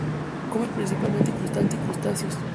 Come principalmente crustáceos.